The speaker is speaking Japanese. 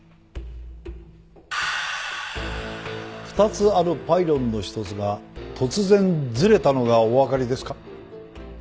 ２つあるパイロンの１つが突然ずれたのがおわかりですか？